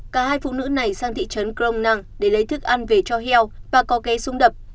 cả hai phụ nữ này sang thị trấn crong năng để lấy thức ăn về cho heo và có ghé súng đập